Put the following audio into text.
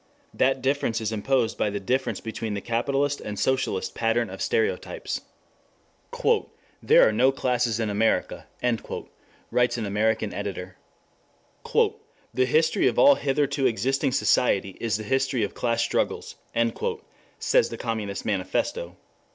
That difference is imposed by the difference between the capitalist and socialist pattern of stereotypes. "There are no classes in America," writes an American editor. "The history of all hitherto existing society is the history of class struggles," says the Communist Manifesto.